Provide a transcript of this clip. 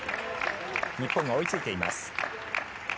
日本が追いついています。